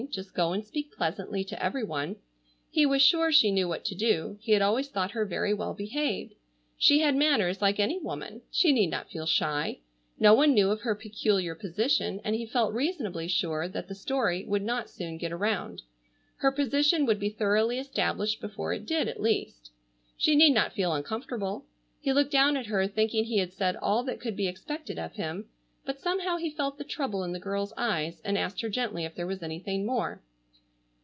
Just go and speak pleasantly to every one. He was sure she knew what to do. He had always thought her very well behaved. She had manners like any woman. She need not feel shy. No one knew of her peculiar position, and he felt reasonably sure that the story would not soon get around. Her position would be thoroughly established before it did, at least. She need not feel uncomfortable. He looked down at her thinking he had said all that could be expected of him, but somehow he felt the trouble in the girl's eyes and asked her gently if there was anything more.